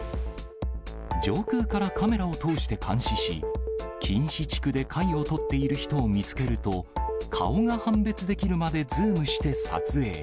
上空からカメラを通して監視し、禁止地区で貝を採っている人を見つけると、顔が判別できるまでズームして撮影。